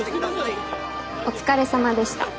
お疲れさまでした。